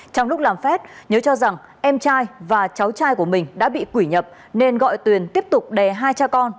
trong lúc làm phép nhớ cho rằng em trai và cháu trai của mình đã bị quỷ nhập nên gọi tuyền tiếp tục đè hai cha con